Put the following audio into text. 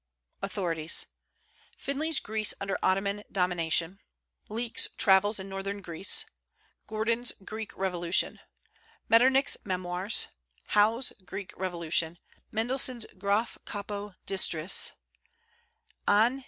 AUTHORITIES. Finlay's Greece under Ottoman Domination; Leake's Travels in Northern Greece; Gordon's Greek Revolution; Metternich's Memoirs; Howe's Greek Revolution; Mendelssohn's Graf Capo d'Istrias; Ann.